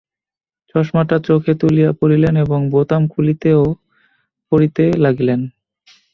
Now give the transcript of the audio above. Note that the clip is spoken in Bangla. চশমাটা চোখে তুলিয়া পরিলেন এবং বোতাম খুলিতে ও পরিতে লাগিলেন।